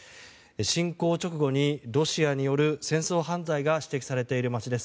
侵攻直後にロシアによる戦争犯罪が指摘されている町です。